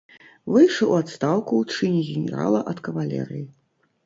Выйшаў у адстаўку ў чыне генерала ад кавалерыі.